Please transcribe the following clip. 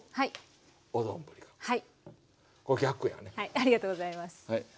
ありがとうございます。